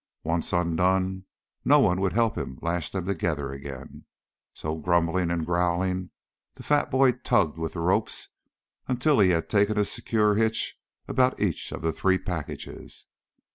Once undone no one would help him lash them together again, so grumbling and growling, the fat boy tugged with the ropes until he had taken a secure hitch about each of the three packages.